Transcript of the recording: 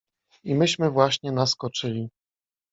I myśmy właśnie naskoczyli.